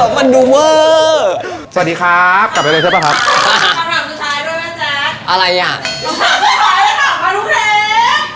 คำถามสุดท้ายก็ถามมาทุกคลิป